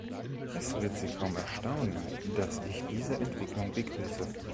Es wird Sie kaum erstaunen, dass ich diese Entwicklung begrüße.